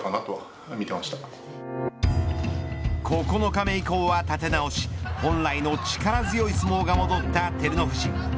９日目以降は立て直し本来の力強い相撲が戻った照ノ富士。